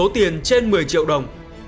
tiền trên một mươi triệu đồng